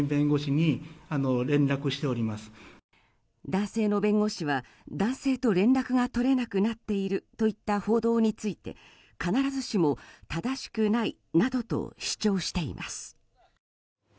男性の弁護士は男性と連絡が取れなくなっているといった報道について必ずしも正しくないなどと主張しています。